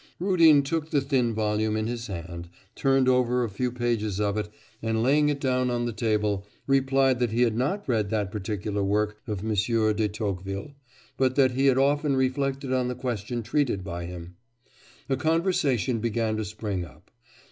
Rudin took the thin volume in his hand, turned over a few pages of it, and laying it down on the table, replied that he had not read that particular work of M. de Tocqueville, but that he had often reflected on the question treated by him. A conversation began to spring up.